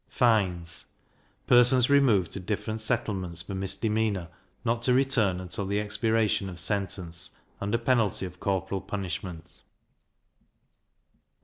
Fines. Persons removed to different settlements for misdemeanour, not to return until the expiration of sentence, under penalty of corporal punishment.